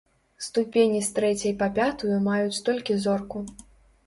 Ступені з трэцяй па пятую маюць толькі зорку.